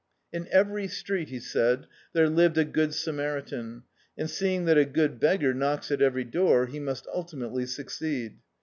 In every street, be said, there lived a good Samari tan, and seeing that a good beggar knocks at every door, he must ultimately succeed.